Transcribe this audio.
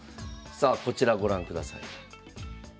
さあこちらご覧ください。